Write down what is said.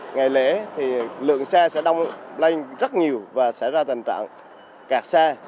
ngày lễ thì lượng xe sẽ đông lên rất nhiều và sẽ ra tình trạng kẹt xe